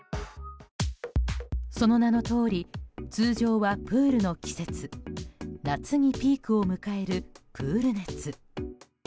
その名のとおり通常はプールの季節夏にピークを迎えるプール熱。